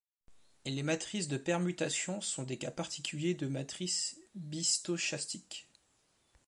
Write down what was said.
Les matrices de permutation sont des cas particuliers de matrice bistochastique.